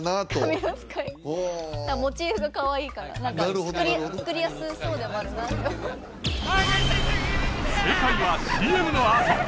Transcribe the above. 神の使いモチーフがかわいいから作りやすそうでもあるな正解はＣＭのあと！